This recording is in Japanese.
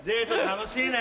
楽しいね。